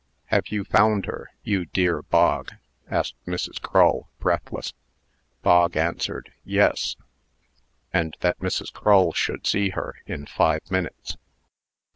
"Have you found her, you dear Bog?" asked Mrs. Crull, breathless. Bog answered "Yes," and that Mrs. Crull should see her in five minutes.